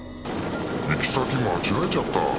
行き先間違えちゃった。